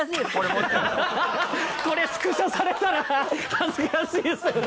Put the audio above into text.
これスクショされたら恥ずかしいですよね。